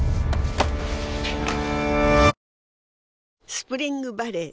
スプリングバレー